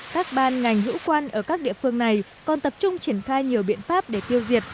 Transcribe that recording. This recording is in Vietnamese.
các ban ngành hữu quan ở các địa phương này còn tập trung triển khai nhiều biện pháp để tiêu diệt